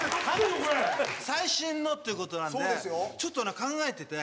最新のっていう事なんでちょっと考えてて。